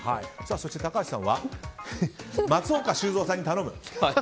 そして高橋さんは松岡修造さんに頼む。